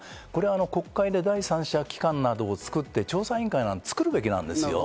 国会で第三者機関などを作って調査委員会などを作るべきですよ。